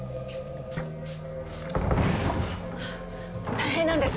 大変なんです。